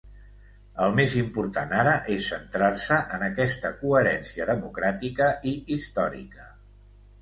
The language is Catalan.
El més important ara és centrar-se en aquesta coherència democràtica i històrica.